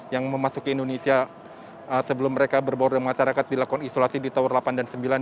yang memasuki indonesia sebelum mereka berbaur dengan masyarakat dilakukan isolasi di tower delapan dan sembilan